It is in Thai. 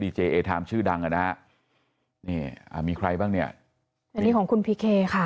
เจเอไทม์ชื่อดังอ่ะนะฮะนี่อ่ามีใครบ้างเนี่ยอันนี้ของคุณพีเคค่ะ